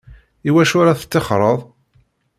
I wacu ara teṭṭixxreḍ?